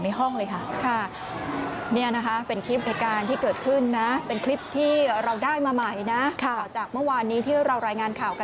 แล้วก็นักเรียนถึงที่ห้องเลยค่ะ